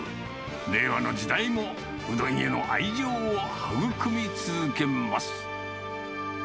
令和の時代も、うどんへの愛情をはぐくみ続けます。